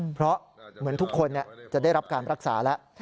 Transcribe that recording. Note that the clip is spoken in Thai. เพราะเหมือนทุกคนจะได้รับการรักษาแล้ว